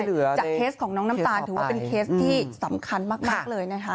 จากเคสของน้องน้ำตาลถือว่าเป็นเคสที่สำคัญมากเลยนะคะ